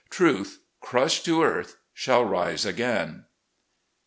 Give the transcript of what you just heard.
"Truth crushed to earth shall rise again."